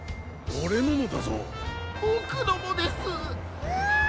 ボクのもです。わ！